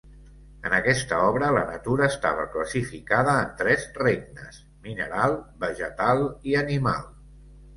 En aquesta obra, la natura estava classificada en tres regnes: mineral, vegetal i animal.